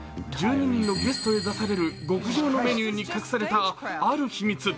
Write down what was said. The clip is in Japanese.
１２人のゲストへ出される極上のメニューに隠されたある秘密。